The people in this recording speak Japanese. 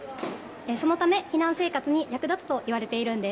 そのため、避難生活に役立つといわれているんです。